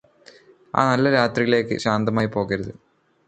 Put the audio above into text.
ആ നല്ല രാത്രിയിലേക്ക് ശാന്തമായി പോകരുത്